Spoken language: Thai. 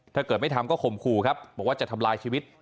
ถ้าเกิดไม่ทำก็ข่มขู่ครับบอกว่าจะทำลายชีวิต